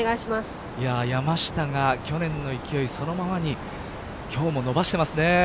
山下が去年の勢いそのままに今日も伸ばしていますね。